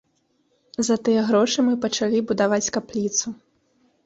За тыя грошы мы пачалі будаваць капліцу.